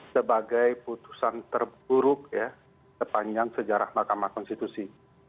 sebagai putusan terburuk ya sepanjang sejarah mahkamah konstitusi